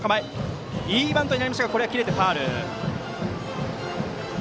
いいバントになりましたがこれは切れてファウル。